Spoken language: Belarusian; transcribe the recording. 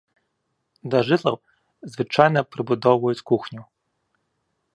Да жытлаў звычайна прыбудоўваюць кухню.